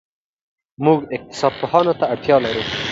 موږ اقتصاد پوهانو ته اړتیا لرو.